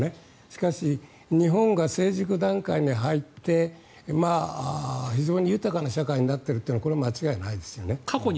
しかし、日本が成熟段階に入って非常に豊かな社会になっているというのはこれは間違いないですよね。